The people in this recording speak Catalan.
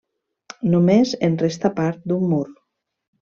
Només en resta part d'un mur.